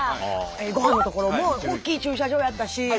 ごはんの所も大きい駐車場やったし。